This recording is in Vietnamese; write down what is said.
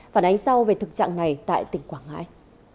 phản ánh sau về thực trạng này tại tỉnh quảng ngãi